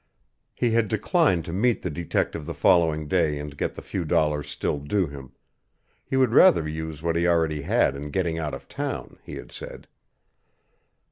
He had declined to meet the detective the following day and get the few dollars still due him; he would rather use what he already had in getting out of town, he had said.